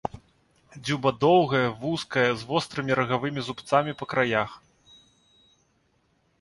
Дзюба доўгая, вузкая, з вострымі рагавымі зубцамі па краях.